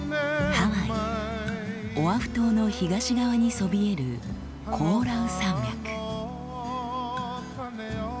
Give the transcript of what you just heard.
ハワイオアフ島の東側にそびえるコオラウ山脈。